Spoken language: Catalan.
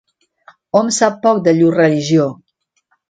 Hom sap poc de llur religió.